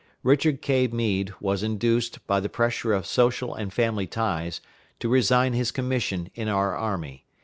Richard K. Meade was induced, by the pressure of social and family ties, to resign his commission in our army.